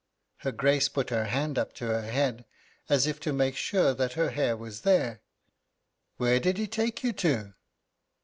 Her Grace put her hand up to her head as if to make sure that her hair was there. "Where did he take you to?"